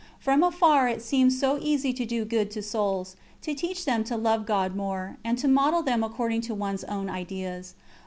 From afar it seems so easy to do good to souls, to teach them to love God more, and to model them according to one's own ideas.